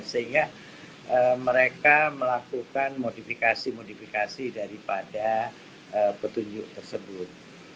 sehingga mereka melakukan modifikasi modifikasi daripada petunjuk tersebut